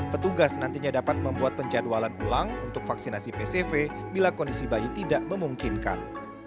petugas nantinya dapat membuat penjadwalan ulang untuk vaksinasi pcv bila kondisi bayi tidak memungkinkan